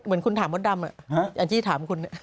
เหมือนคุณถามมดดำแองจี้ถามคุณ